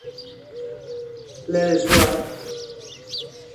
Let us rock.